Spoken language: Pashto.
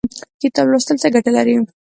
کتاب لوستل څه ګټه لري؟